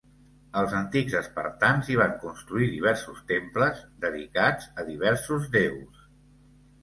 Els antics espartans hi van construir diversos temples, dedicats a diversos déus.